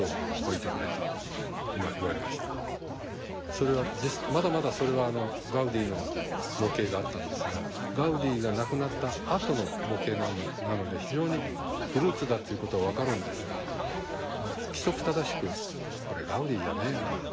それはまだまだそれはガウディの模型があったんですがガウディが亡くなったあとの模型なので非常にフルーツだっていうことは分かるんですが規則正しく「これガウディじゃねえな」と。